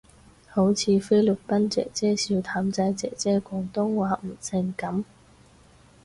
好似菲律賓姐姐笑譚仔姐姐廣東話唔正噉